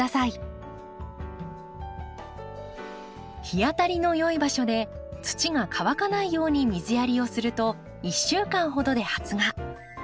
日当たりのよい場所で土が乾かないように水やりをすると１週間ほどで発芽。